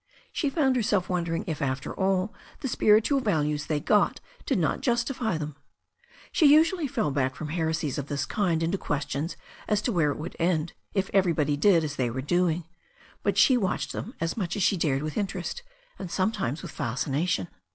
She found herself wondering if, after all, the spiritual values they got did not justify them. She usually THE STORY OF A NEW ZEALAND RIVER 369 fell back from heresies of this kind into questions as to where it would end if everybody did as they were doing. But she watched them as much as she dared with interest, and sometimes with fascination.